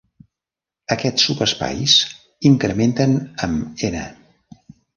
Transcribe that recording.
Aquests subespais incrementen amb "n".